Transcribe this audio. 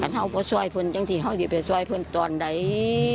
ท่านเขาก็ช่วยเพื่อนจังทีเขาอยู่ไปช่วยเพื่อนตอนไหน